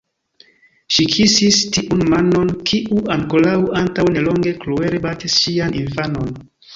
Ŝi kisis tiun manon, kiu ankoraŭ antaŭ nelonge kruele batis ŝian infanon.